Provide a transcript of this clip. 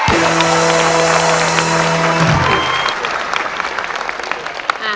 เอื้อห์